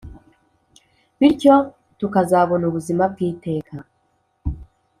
Bityo tukazabona ubuzima bw’iteka